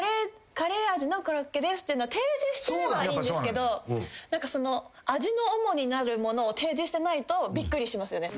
カレー味のコロッケですっていうのを提示してればいいんですけど味の主になるものを提示してないとビックリしますよね。